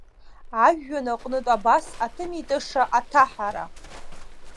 Ажәҩан аҟнытә абас атымитыша аҭаҳара!